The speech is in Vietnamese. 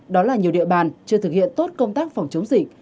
đó là nhiều địa bàn chưa thực hiện tốt công tác phòng chống dịch